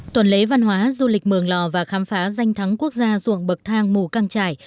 tuần lễ văn hóa du lịch mường lò và khám phá danh thắng quốc gia ruộng bậc thang mù căng trải